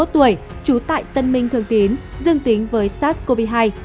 trú tại tân minh thường tín dương tính với sars cov hai